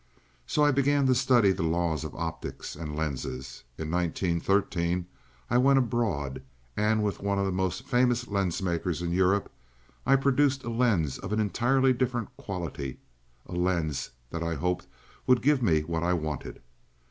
"So I began to study the laws of optics and lenses. In 1913 I went abroad, and with one of the most famous lens makers of Europe I produced a lens of an entirely different quality, a lens that I hoped would give me what I wanted.